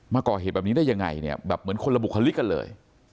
มาก่อเหตุแบบนี้ได้ยังไงเนี่ยแบบเหมือนคนละบุคลิกกันเลย